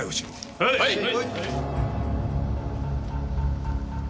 はい！